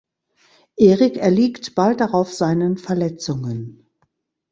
Erik erliegt bald darauf seinen Verletzungen.